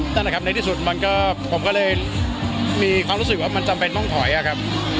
นั่นแหละครับในที่สุดมันก็ผมก็เลยมีความรู้สึกว่ามันจำเป็นต้องถอยอะครับ